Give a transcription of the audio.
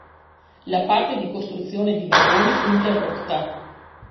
La parte di costruzione di vagoni fu interrotta.